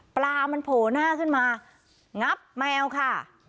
ปลามันโผล่หน้าขึ้นมางับแมวค่ะ